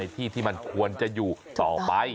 ที่ที่มันควรจะอยู่ต่อไป